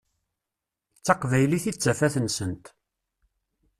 D taqbaylit i d tafat-nsent.